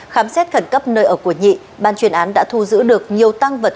khám xét khẩn cấp nơi ở của nhị ban chuyên án đã thu giữ được nhiều tăng vật